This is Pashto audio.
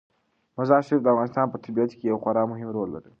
مزارشریف د افغانستان په طبیعت کې یو خورا مهم رول لري.